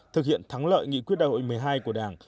thực hiện thắng lợi nghị quyết đại hội một mươi hai của đảng